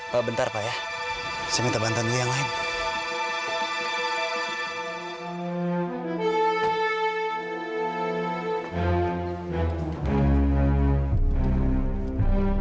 pak bentar pak ya saya minta bantuan yang lain